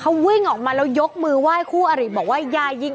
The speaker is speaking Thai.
เขาวิ่งออกมาแล้วยกมือไหว้คู่อริบอกว่าอย่ายิง